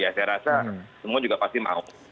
ya saya rasa semua juga pasti mau